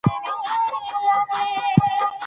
ملاله نومېده.